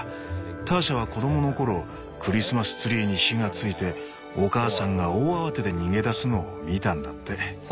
ターシャは子供の頃クリスマスツリーに火がついてお母さんが大慌てで逃げ出すのを見たんだって。